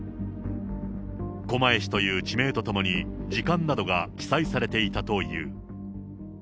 狛江市という地名とともに時間などが記載されていたという。